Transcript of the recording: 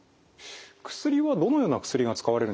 薬はどのような薬が使われるんでしょうか？